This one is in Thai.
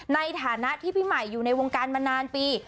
ในฐานะที่พี่ใหม่อยู่ในวงการมานานปี